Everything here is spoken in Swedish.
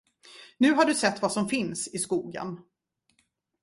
Nu har du sett vad som finns i skogen.